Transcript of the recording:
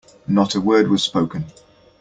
Not a word was spoken.